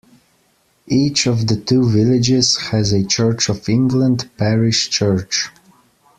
Each of the two villages has a Church of England parish church.